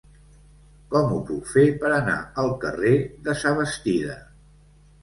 Com ho puc fer per anar al carrer de Sabastida?